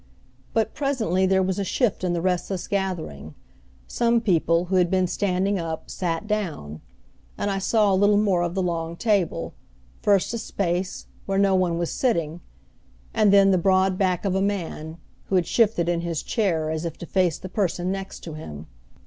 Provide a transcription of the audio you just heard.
But presently there was a shift in the restless gathering, some people, who had been standing up, sat down; and I saw a little more of the long table, first a space, where no one was sitting, and then the broad back of a man, who had shifted in his chair as if to face the person next to him.